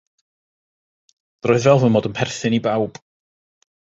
Roedd fel fy mod yn perthyn i bawb.